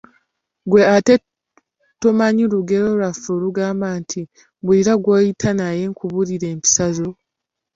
Ggwe ate tomanyi lugero lwaffe olugamba nti , "Mbuulira gw'oyita naye nkubuulire empisa zo?